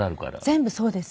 全部そうです。